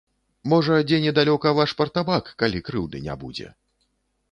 Можа, дзе недалёка ваш партабак, калі крыўды не будзе.